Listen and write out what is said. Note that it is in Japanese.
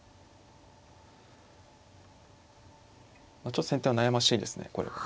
ちょっと先手は悩ましいですねこれは。